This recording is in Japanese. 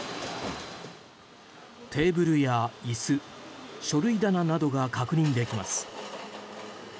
テーブルや椅子書類棚などが確認できます。